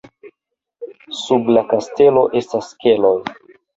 Sub la kastelo estas keloj.